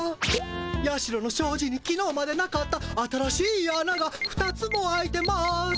社のしょうじにきのうまでなかった新しいあなが２つも開いてます。